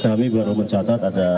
kami baru mencatat ada